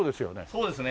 そうですね。